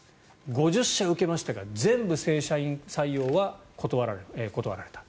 ５０社受けましたが全部、正社員採用は断られた。